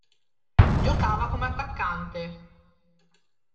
Giocava come attaccante.